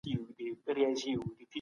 سوسیالیزم هر څه په ټولنه پورې تړلي بولي.